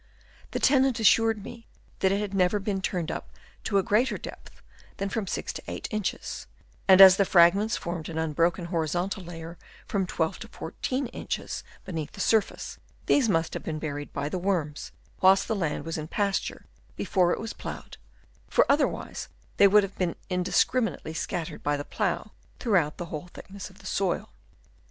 The tenant assured me that it had never been turned up to a greater depth than from 6 to 8 inches ; and as the fragments formed an un broken horizontal layer from 12 to 14 inches beneath the surface, these must have been buried by the worms whilst the land was in pasture before it was ploughed, for other wise they would have been indiscriminately scattered by the plough throughout the whole thickness of the soil.